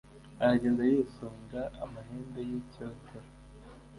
aragenda yisunga amahembe y icyotero